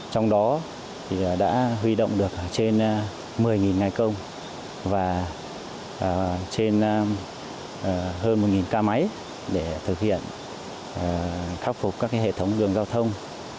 trong đó đã huy động được trên một mươi ngày công và trên hơn một ca máy để thực hiện khắc phục các hệ thống đường giao thông